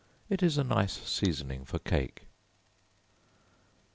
It is a nice seasoning for cake.